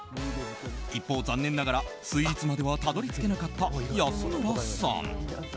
一方、残念ながらスイーツまではたどり着けなかった安村さん。